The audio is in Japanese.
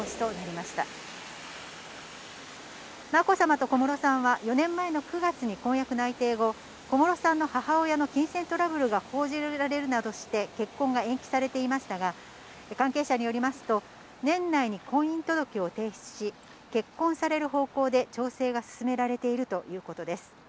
まこさまと小室さんは、４年前の９月に婚約内定後、小室さんの母親の金銭トラブルが報じられるなどして、結婚が延期されていましたが、関係者によりますと、年内に婚姻届を提出し、結婚される方向で調整が進められているということです。